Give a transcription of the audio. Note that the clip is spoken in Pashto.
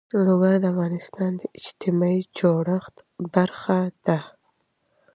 لوگر د افغانستان د اجتماعي جوړښت برخه ده.